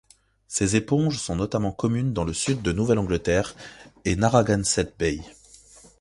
Ces éponges sont notamment communes dans le sud de Nouvelle-Angleterre et Narragansett Bay.